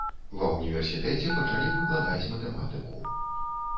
Ва ўніверсітэце пачалі выкладаць матэматыку.